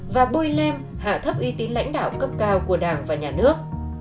và bôi lem hạ thấp uy tín lãnh đạo cấp cao của đảng và nhà nước